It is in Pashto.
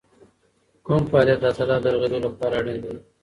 کوم فعالیت د عضلاتو رغېدو لپاره اړین دی؟